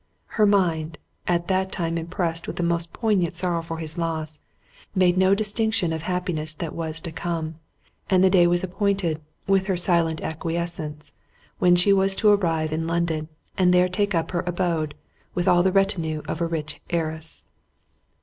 Her mind, at that time impressed with the most poignant sorrow for his loss, made no distinction of happiness that was to come; and the day was appointed, with her silent acquiescence, when she was to arrive in London, and there take up her abode, with all the retinue of a rich heiress.